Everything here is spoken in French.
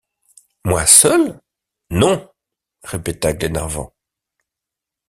Moi seul? non, répéta Glenarvan.